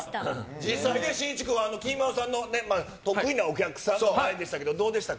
実際ね、しんいち君は、きみまろさんのお客さんの前でしたがどうでしたか？